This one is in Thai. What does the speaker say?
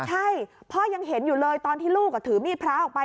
ใช่พ่อยังเห็นอยู่เลยตอนที่ลูกถือมีดพระออกไป